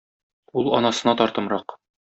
Ул анасына тартымрак...